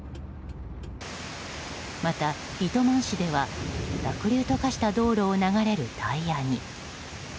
また、糸満市では濁流と化した道路を流れるタイヤに。